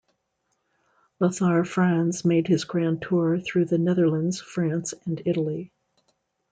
Lothar Franz made his Grand Tour through the Netherlands, France and Italy.